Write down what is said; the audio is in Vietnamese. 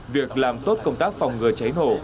việc làm tốt công tác phòng ngừa cháy nổ